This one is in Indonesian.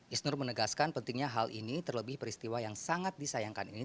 isnur menegaskan pentingnya hal ini terlebih peristiwa yang sangat disayangkan ini